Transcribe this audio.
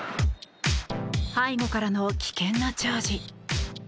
背後からの危険なチャージ。